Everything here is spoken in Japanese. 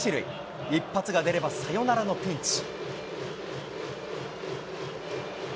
一発が出ればサヨナラのピンチ。